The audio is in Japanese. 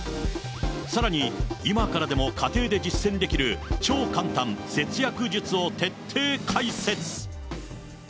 さらに今からでも家庭で実践できる超簡単節約術を徹底解説。